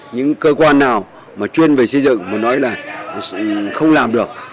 những cơ quan nào mà chuyên về xây dựng mà nói là không làm được